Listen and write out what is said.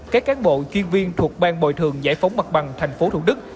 các cán bộ chuyên viên thuộc ban bồi thường giải phóng mặt bằng tp thủ đức